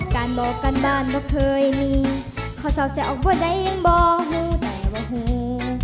การบอกการบ้านบ่เคยมีเขาเสียออกบ่ได้ยังบ่รู้แต่ว่าหู